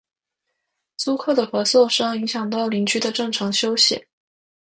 租客的咳嗽声影响到邻居正常休息